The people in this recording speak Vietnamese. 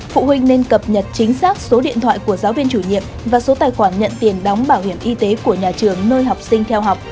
phụ huynh nên cập nhật chính xác số điện thoại của giáo viên chủ nhiệm và số tài khoản nhận tiền đóng bảo hiểm y tế của nhà trường nơi học sinh theo học